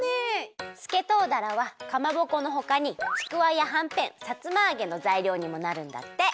すけとうだらはかまぼこのほかにちくわやはんぺんさつまあげのざいりょうにもなるんだって！